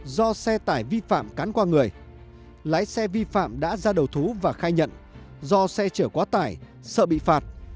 do xe tải vi phạm cán qua người lái xe vi phạm đã ra đầu thú và khai nhận do xe chở quá tải sợ bị phạt